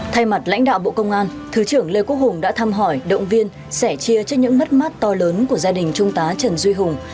thay mặt lãnh đạo bộ công an thứ trưởng lê quốc hùng đã thăm hỏi động viên sẻ chia cho những mất mát to lớn của gia đình trung tá trần duy hùng